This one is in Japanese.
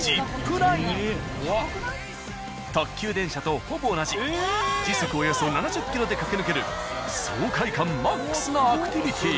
特急電車とほぼ同じ時速およそ７０ｋｍで駆け抜ける爽快感ＭＡＸなアクティビティ。